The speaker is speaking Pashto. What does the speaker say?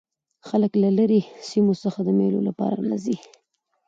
خلک له ليري سیمو څخه د مېلو له پاره راځي.